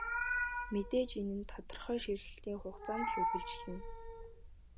Мэдээж энэ нь тодорхой шилжилтийн хугацаанд л үргэлжилнэ.